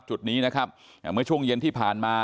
จุดนี้นะครับเมื่อช่วงเย็นที่ผ่านมา